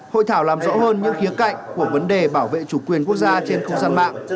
hội thảo làm rõ hơn những khía cạnh của vấn đề bảo vệ chủ quyền quốc gia trên không gian mạng